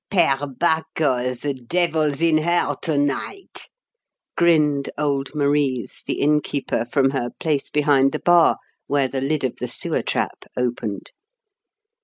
"Per Bacco! The devil's in her to night!" grinned old Marise, the innkeeper, from her place behind the bar, where the lid of the sewer trap opened.